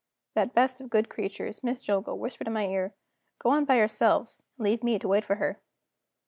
That best of good creatures, Miss Jillgall, whispered in my ear: "Go on by yourselves, and leave me to wait for her."